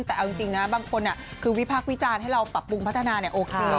แต่เอาจริงนะบางคนคือวิพักษ์วิจารณ์ให้เราปรับปรุงพัฒนาเนี่ยโอเค